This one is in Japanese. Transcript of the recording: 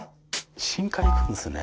深海行くんですね。